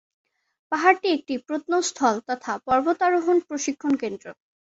পাহাড়টি একটি প্রত্নস্থল তথা পর্বতারোহণ প্রশিক্ষণ কেন্দ্র।